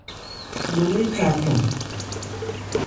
Lo lé tha cɔn.